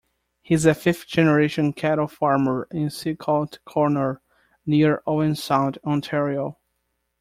He is a fifth-generation cattle farmer in Silcote Corner, near Owen Sound, Ontario.